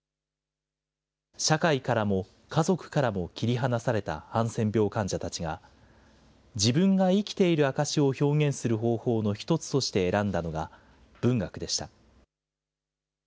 社会からも家族からも切り離されたハンセン病患者たちが、自分が生きている証しを表現する方法の一つとして選んだのが、文学でした。